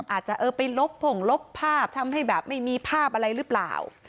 อาจจะเออไปลบผงลบภาพทำให้แบบไม่มีภาพอะไรหรือเปล่า